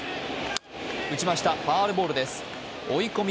落ちました、ファウルボールです。